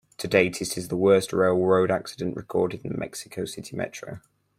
To date, it is the worst railroad accident recorded in the Mexico City Metro.